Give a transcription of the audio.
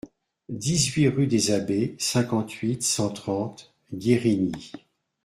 dix-huit rue des Abbes, cinquante-huit, cent trente, Guérigny